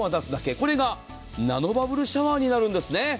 これがナノバブルシャワーになるんです。